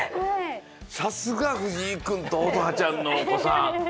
さすが藤井くんと乙葉ちゃんのおこさん